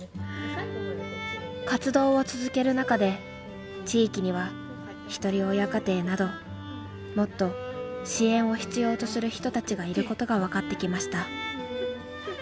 活動を続ける中で地域にはひとり親家庭などもっと支援を必要とする人たちがいることが分かってきました。